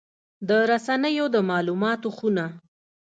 د رسنیو د مالوماتو خونه